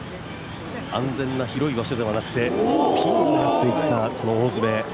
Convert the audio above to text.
安全な広い場所ではなくて、ピンを狙っていったこの大詰め。